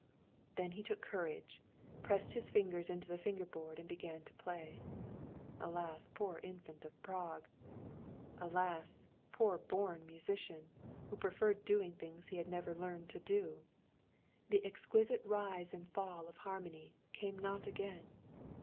Then he took courage, pressed his fingers into the finger board, and began to play. Alas, poor Infant of Prague! Alas, poor born musician, who preferred doing things he had never learned to do! The exquisite rise and fall of harmony, came not again.